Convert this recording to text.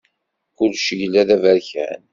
Kullec yella d aberkan.